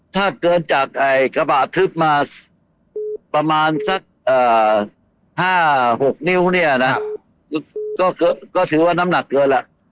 ถ้าเกินจากกระบะทึบมาประมาณสัก๕๖นิ้วเนี่ยนะก็ถือว่าน้ำหนักเกินล่ะ